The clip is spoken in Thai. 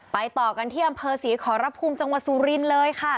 ต่อกันที่อำเภอศรีขอรภูมิจังหวัดสุรินทร์เลยค่ะ